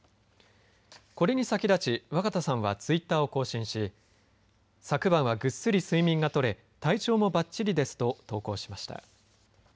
これに先立ち、若田さんはツイッターを更新し昨晩はぐっすり睡眠がとれ体調もばっちりですと投稿しました。